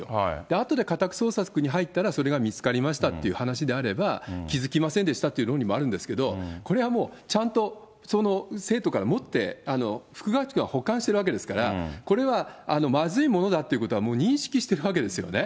あとで家宅捜索に入ったら、それが見つかりましたって話であれば、気付きませんでしたっていう論理もあるんですが、これはもうちゃんとその生徒から持って、副学長が保管してるわけですから、これはまずいものだっていうことは、もう認識してるわけですよね。